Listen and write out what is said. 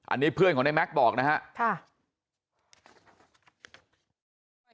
อันนี้เพื่อนของนายแมคบอกนะฮะ